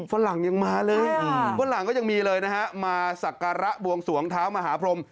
ฝรั่งยังมาเลยฝรั่งก็ยังมีเลยนะฮะมาสักการะบวงสวงเท้ามหาพรม